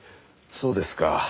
そうですか。